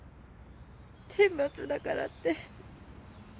天罰だからって。